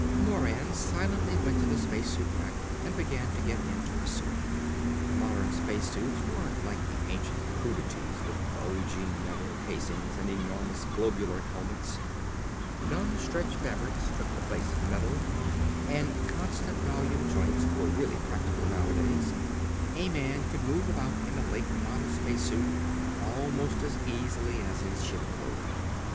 Moran silently went to the space suit rack and began to get into a suit. Modern space suits weren't like the ancient crudities with bulging metal casings and enormous globular helmets. Non stretch fabrics took the place of metal, and constant volume joints were really practical nowadays. A man could move about in a late model space suit almost as easily as in ship clothing.